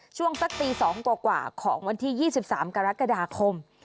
สักตี๒กว่าของวันที่๒๓กรกฎาคม